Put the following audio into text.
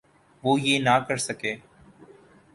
وہ یہ نہ کر سکے۔